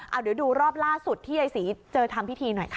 เอาเดี๋ยวดูรอบล่าสุดที่ยายศรีเจอทำพิธีหน่อยค่ะ